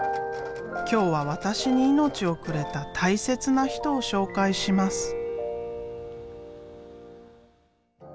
今日は私に命をくれた大切な人を紹介します。